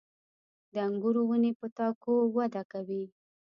• د انګورو ونې په تاکو وده کوي.